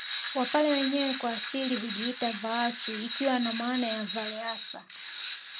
Wapare wenyewe kwa asili hujiita Vaasu ikiwa na maana ya vareasa